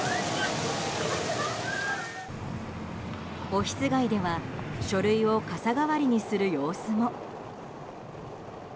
オフィス街では書類を傘代わりにする様子も。